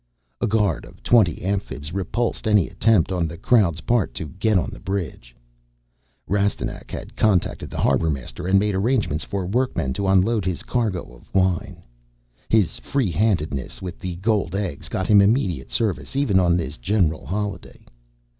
A guard of twenty Amphibs repulsed any attempt on the crowd's part to get on the bridge. Rastignac had contacted the harbor master and made arrangements for workmen to unload his cargo of wine. His freehandedness with the gold eggs got him immediate service even on this general holiday.